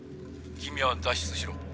君は脱出しろ。